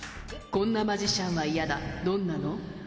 こんなマジシャンはイヤだどんなの？